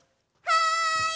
はい！